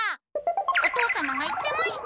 お父様が言ってました。